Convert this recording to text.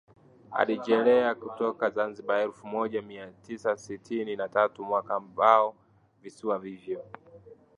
alirejea kutoka Zanzibar elfu moja mia tisa sitini na tatu mwaka ambao visiwa hivyo